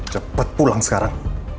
cepet pulang sekarang